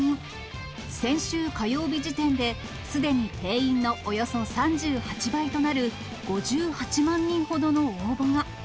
先週火曜日時点で、すでに定員のおよそ３８倍となる、５８万人ほどの応募が。